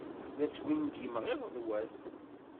La swingimeɣ iḍ d wass.